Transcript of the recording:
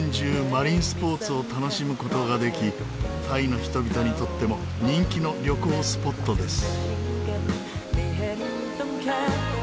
マリンスポーツを楽しむ事ができタイの人々にとっても人気の旅行スポットです。